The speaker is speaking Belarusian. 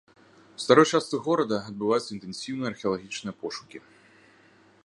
У старой частцы горада адбываюцца інтэнсіўныя археалагічныя пошукі.